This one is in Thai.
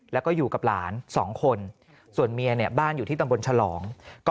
แล้วก็อยู่กับหลาน๒คนส่วนเมียเนี่ยบ้านอยู่ที่ตำบลฉลองก็